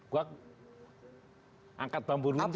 gua angkat bambu rumput